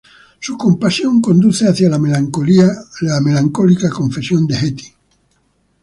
Su compasión conduce hacia la melancólica confesión de Hetty.